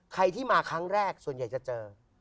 ใครที่มาครั้งแรกส่วนใหญ่จะเจอ